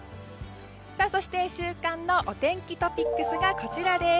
そして、週間のお天気トピックスがこちら。